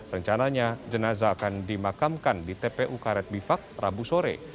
rencananya jenazah akan dimakamkan di tpu karet bifak rabu sore